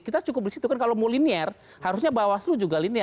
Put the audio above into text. kita cukup di situ kan kalau mau linier harusnya bawaslu juga linier